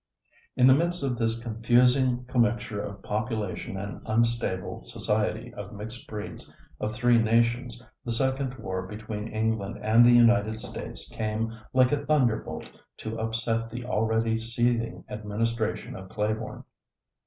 In the midst of this confusing commixture of population and unstable society of mixed breeds of three nations the second war between England and the United States came like a thunderbolt to upset the already seething administration of Claiborne.